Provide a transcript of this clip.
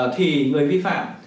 thì người vi phạm